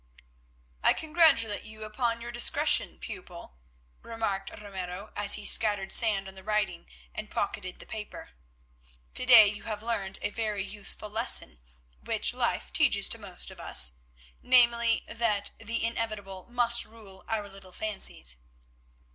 "I congratulate you upon your discretion, pupil," remarked Ramiro, as he scattered sand on the writing and pocketed the paper. "To day you have learned a very useful lesson which life teaches to most of us, namely, that the inevitable must rule our little fancies.